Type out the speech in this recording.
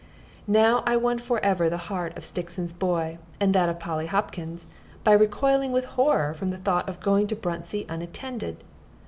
Now I won forever the heart of Stixon's boy, and that of Polly Hopkins, by recoiling with horror from the thought of going to Bruntsea unattended.